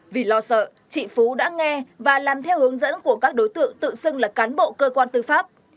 vì lo sợ chị phú đã nghe và làm theo hướng dẫn của các đối tượng tự xưng là cán bộ cơ quan tư pháp